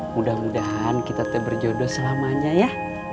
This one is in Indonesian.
mudah mudahan kita tetap berjodoh selamanya ya